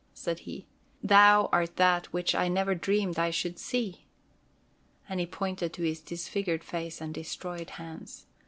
said he. "Thou art that which I never dreamed I should see." And he pointed to his disfigured face and destroyed hands.